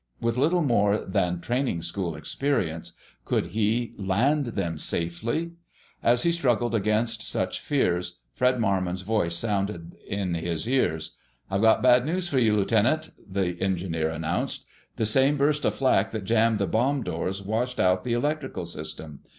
With little more than training school experience, could he land them safely? As he struggled against such fears, Fred Marmon's voice sounded in his ears. "I've got bad news for you, Lieutenant," the engineer announced. "The same burst of flak that jammed the bomb doors washed out the electrical system.